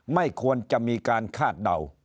ไม่ควรจะมีการคาดเดา